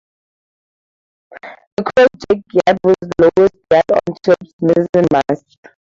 The cross-jack yard was the lowest yard on a ship's mizzen mast.